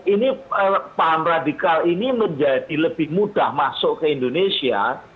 ini paham radikal ini menjadi lebih mudah masuk ke indonesia